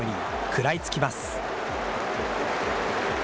食らいつきます。